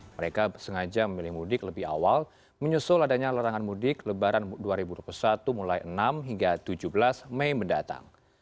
mereka sengaja memilih mudik lebih awal menyusul adanya larangan mudik lebaran dua ribu dua puluh satu mulai enam hingga tujuh belas mei mendatang